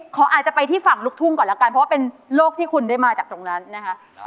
อาจจะไปที่ฝั่งลูกทุ่งก่อนแล้วกันเพราะว่าเป็นโรคที่คุณได้มาจากตรงนั้นนะคะ